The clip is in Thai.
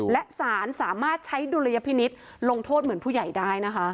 และสารสามารถใช้ดุลยพินิษฐ์ลงโทษเหมือนผู้ใหญ่ได้นะคะ